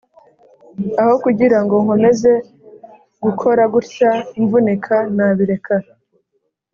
Aho kugirango nkomeze gukora gutya mvunika nabireka